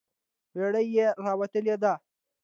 بړۍ یې راوتلې ده.